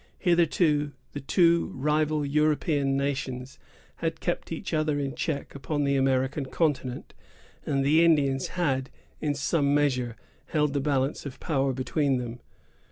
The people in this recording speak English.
Hitherto the two rival European nations had kept each other in check upon the American continent, and the Indians had, in some measure, held the balance of power between them.